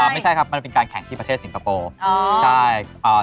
ไม่ใช่ครับมันเป็นการแข่งที่ประเทศสิงคโปร์